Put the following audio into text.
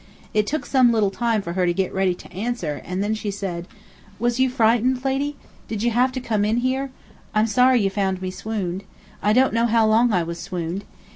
It took some little time for her to get ready to answer, and then she said: "Was you frightened, lady? Did you have to come in here? I'm sorry you found me swooned. I don't know how long I was swooned.